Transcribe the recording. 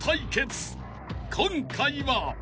［今回は］